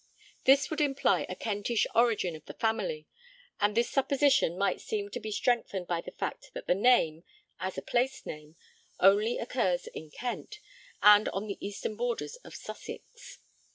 This would imply a Kentish origin of the family, and this supposition might seem to be strengthened by the fact that the name, as a place name, only occurs in Kent and on the eastern border of Sussex.